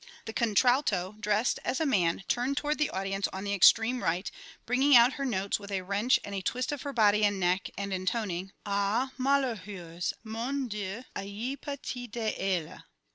The contralto, dressed as a man, turned toward the audience on the extreme right, bringing out her notes with a wrench and a twist of her body and neck, and intoning, "_Ah, malheureuse! Mon Dieu, ayez pitié d'elle.